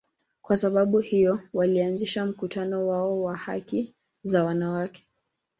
Kwa sababu hiyo, walianzisha mkutano wao wa haki za wanawake.